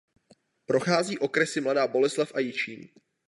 Prochází okresy Mladá Boleslav a Jičín.